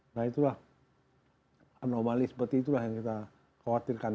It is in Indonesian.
nah itulah anomali seperti itulah yang kita khawatirkan